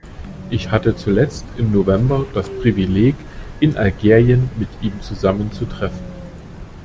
Ich hatte zuletzt im November das Privileg, in Algerien mit ihm zusammenzutreffen.